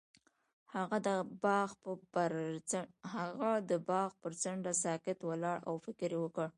هغه د باغ پر څنډه ساکت ولاړ او فکر وکړ.